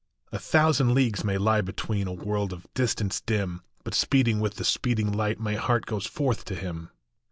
A thousand leagues may lie between A world of distance dim ; But speeding with the speeding light My heart goes forth to him.